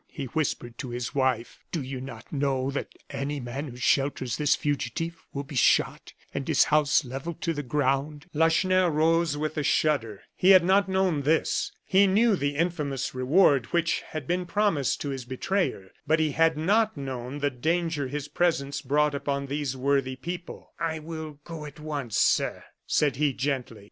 he whispered to his wife, "do you not know that any man who shelters this fugitive will be shot, and his house levelled to the ground?" Lacheneur rose with a shudder. He had not known this. He knew the infamous reward which had been promised to his betrayer; but he had not known the danger his presence brought upon these worthy people. "I will go at once, sir," said he, gently.